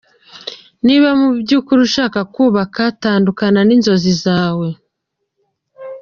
Niba mu byukuri ushaka kubaka, tandukana ninzozi zawe.